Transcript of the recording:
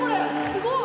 すごい！